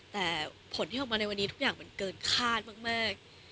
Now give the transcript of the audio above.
แต่ผลที่ออกมาในวันนี้ทุกอย่างมันเกินคาดมาก